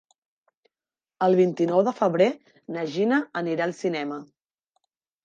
El vint-i-nou de febrer na Gina anirà al cinema.